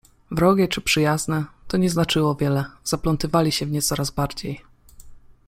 Wrogie czy przyjazne — to nie znaczyło wiele: zaplątywali się w nie coraz bardziej.